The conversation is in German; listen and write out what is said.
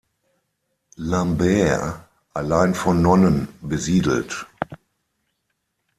Lambert" allein von Nonnen besiedelt.